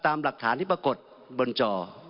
ตามหลักฐานที่ปรากฏบนจอ